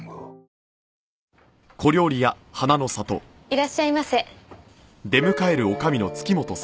いらっしゃいませ。